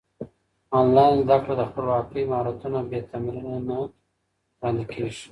انلاين زده کړه د خپلواکۍ مهارتونه بې تمرين نه وړاندې کيږي.